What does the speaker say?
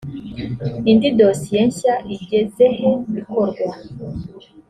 indi dosiye nshya igezehe ikorwa